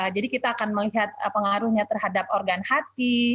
jadi kita akan melihat pengaruhnya terhadap organ hati